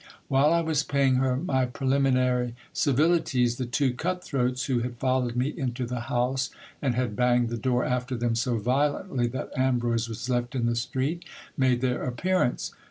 While I was paying her my preliminary civilities, the two cut throats, who had followed me into the house, and had banged the door after them so violently that Ambrose was left in the street, made their appearance.